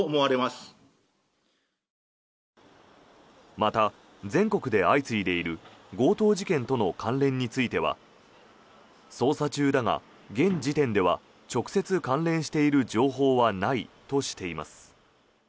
また、全国で相次いでいる強盗事件との関連については捜査中だが、現時点では直接関連している情報はないとしています。